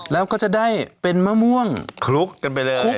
แล้วก็จะได้เป็นมะม่วงคลุกกันไปเลย